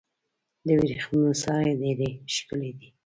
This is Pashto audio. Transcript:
د ورېښمو سارۍ ډیرې ښکلې دي.